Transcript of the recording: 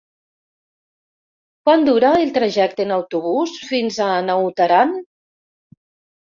Quant dura el trajecte en autobús fins a Naut Aran?